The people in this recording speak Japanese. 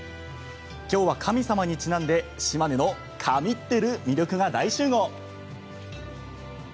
きょうは、神様にちなんで島根の神ってる魅力が大集合。